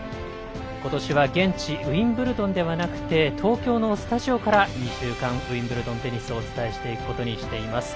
ことしは現地ウィンブルドンではなく東京のスタジオから２週間ウィンブルドンテニスをお伝えしていくことにしています。